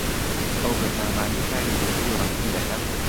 ئەو بەرنامانەی کاری دەنگی و ڕەنگی دەکەن